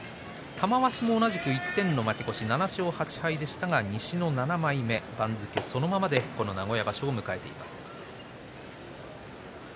玉鷲も一点の負け越し７勝８敗でしたが西の７枚目、番付そのままでこの名古屋場所を迎えています。